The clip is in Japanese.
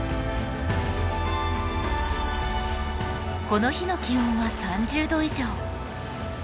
この日の気温は３０度以上。